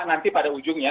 nanti pada ujungnya